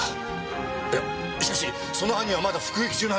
いやしかしその犯人はまだ服役中のはずだ。